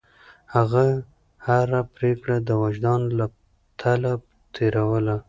هغه هره پرېکړه د وجدان له تله تېروله.